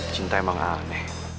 cinta emang aneh